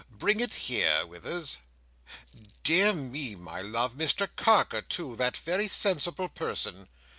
Bring it here, Withers. Dear me, my love; Mr Carker, too! That very sensible person!"